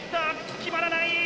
決まらない！